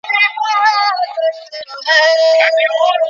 এই জাতীয় ছাগল বিলুপ্তপ্রায়।